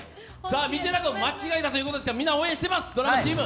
道枝君、間違えたということですからみんな応援してます、ドラマチーム。